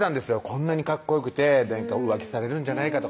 こんなにかっこよくて浮気されるんじゃないかとかね